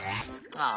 ああ？